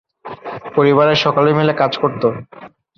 পরিবারের সকলে মিলে কাজ করত।